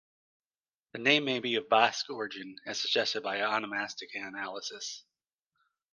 The name may be of Basque origin, as suggested by onomastic analysis.